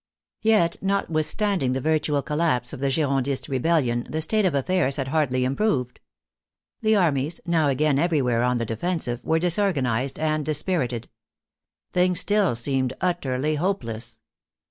Yet notwithstanding the virtual collapse of the Giron dist rebellion the state of affairs had hardly improved. THE SANSCULOTTE IN POWER 69 The armies, now again everywhere on the defensive, were disorganized and dispirited. Things still seemed utterly hopeless.